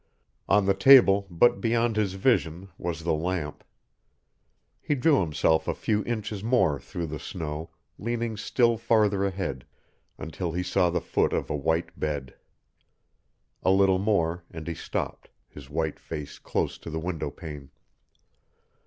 On the table, but beyond his vision, was the lamp. He drew himself a few inches more through the snow, leaning still farther ahead, until he saw the foot of a white bed. A little more and he stopped, his white face close to the window pane.